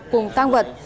cùng tang vật